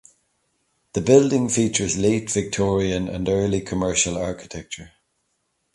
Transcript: The building features Late Victorian and Early Commercial architecture.